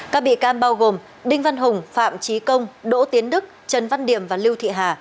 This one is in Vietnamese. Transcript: các bị can bao gồm đinh văn hùng phạm trí công đỗ tiến đức trần văn điểm và lưu thị hà